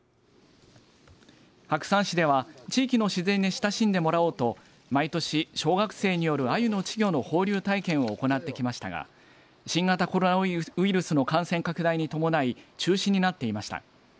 白山市では地域の自然に親しんでもらおうと毎年、小学生によるあゆの稚魚の放流体験を行ってきましたが新型コロナウイルスの感染拡大に伴い中止になっていました。